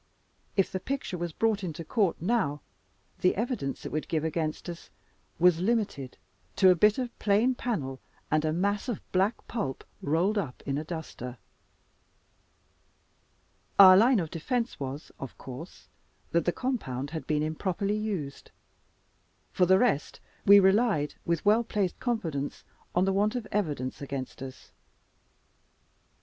If the picture, was brought into court now, the evidence it could give against us was limited to a bit of plain panel, and a mass of black pulp rolled up in a duster. Our line of defense was, of course, that the compound had been improperly used. For the rest, we relied with well placed confidence on the want of evidence against us.